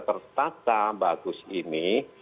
tertata bagus ini